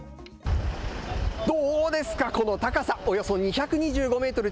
どうですか、この高さおよそ２２５メートル